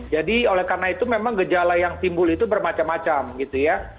jadi oleh karena itu memang gejala yang timbul itu bermacam macam gitu ya